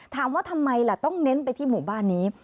ถามว่าทำไมล่ะต้องเน้นไปที่หมู่บ้านนี้